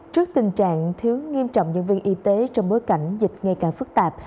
trước tình trạng thiếu nghiêm trọng nhân viên y tế trong bối cảnh dịch ngày càng phức tạp